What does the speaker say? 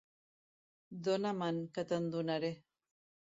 Dona-me'n, que te'n donaré.